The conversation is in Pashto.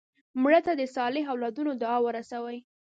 مړه ته د صالح اولادونو دعا ورسوې